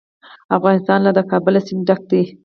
افغانستان له د کابل سیند ډک دی.